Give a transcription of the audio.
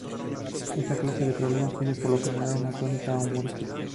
Esta clase de problema tiene por lo general una tónica humorística.